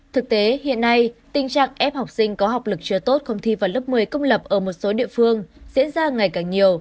thực tế hiện nay tình trạng ép học sinh có học lực chưa tốt không thi vào lớp một mươi công lập ở một số địa phương diễn ra ngày càng nhiều